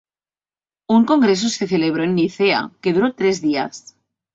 Un congreso se celebró en Nicea, que duró tres días.